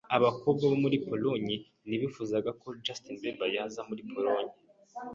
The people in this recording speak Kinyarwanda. Abakobwa bo muri Polonye ntibifuzaga ko Justin Bieber yaza muri Polonye.